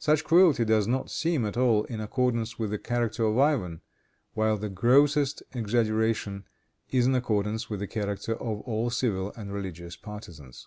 Such cruelty does not seem at all in accordance with the character of Ivan, while the grossest exaggeration is in accordance with the character of all civil and religious partisans.